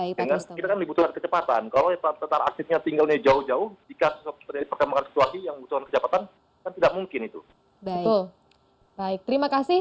kita kan dibutuhkan kecepatan kalau tetar asetnya tinggalnya jauh jauh jika terjadi perkembangan suatu lagi yang butuhan kecepatan kan tidak mungkin itu